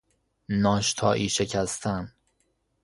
ناشتایی شکستن